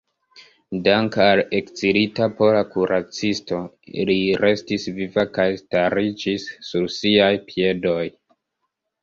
Dank‘ al ekzilita pola kuracisto li restis viva kaj stariĝis sur siaj piedoj.